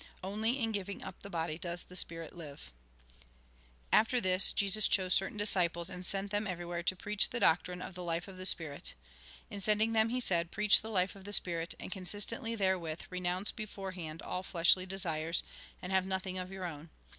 Only in giving up the body does the Spirit hve." After this, Jesus chose certain disciples, and sent A RECAPITULATION 1S3 them everywhere to preach the doctrine of the life of the Spirit. In sending them, he said :" Preach the hfe of the Spiiit, and, consistently therewith, renounce beforehand all ileshly desires, and have nothing of your own.